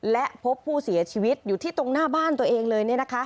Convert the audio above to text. และพบผู้เสียชีวิตอยู่ที่ตรงหน้าบ้านตัวเองเลย